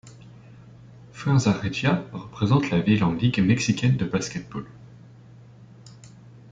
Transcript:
Fuerza Regia représente la ville en Ligue mexicaine de basketball.